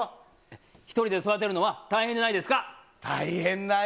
１人で育てるのは大変じゃな大変だよ。